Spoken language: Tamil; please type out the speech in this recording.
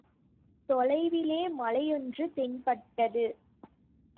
தொலைவிலே மலையொன்று தென்பட்டது.